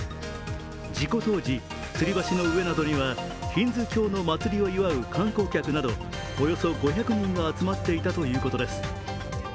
事故当時、つり橋の上などにはヒンズー教の祭りを祝う観光客などおよそ５００人が集まっていたということです。